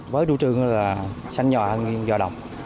với chủ trương là xanh nhà hơn giá đồng